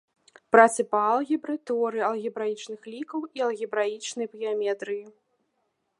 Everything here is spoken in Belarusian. Працы па алгебры, тэорыі алгебраічных лікаў і алгебраічнай геаметрыі.